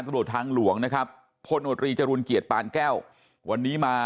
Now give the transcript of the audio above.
ตำรวจทางหลวงนะครับพลโนตรีจรูลเกียรติปานแก้ววันนี้มา